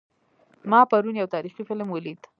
ما پرون یو تاریخي فلم ولید